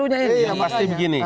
yang pasti begini